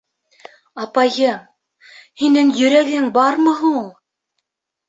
— Апайым, һинең йөрәгең бармы һуң?!